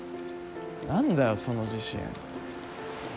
何だよその自信。